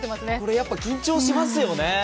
やっぱ、緊張しますよね。